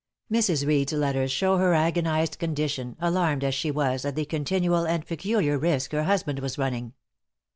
Mrs. Reed's letters show her agonized condition, alarmed as she was, at the continual and peculiar risk her husband was running.